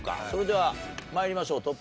それでは参りましょう。